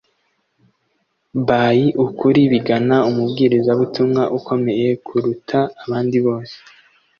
By ukuri bigana umubwirizabutumwa ukomeye kuruta abandi bose